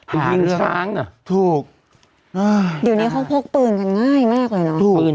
หางช้างน่ะถูกเดี๋ยวนี้เขาคลาดพื้น